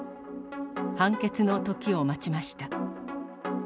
判決の時を待ちました。